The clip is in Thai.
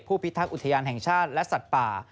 พิทักษ์อุทยานแห่งชาติและสัตว์ป่า